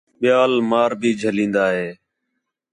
ٻِیال مار بھی جَھلین٘دا ہے